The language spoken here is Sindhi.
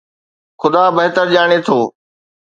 خدا بهتر ڄاڻي ٿو.